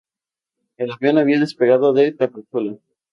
El avión había despegado de Tapachula.